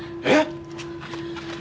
えっ！？